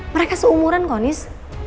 mereka seumuran kok nis